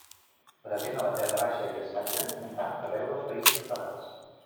Present a la terra Baixa i estatge montà d'arreu dels Països Catalans.